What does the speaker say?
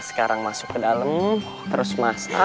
sekarang masuk ke dalam terus masak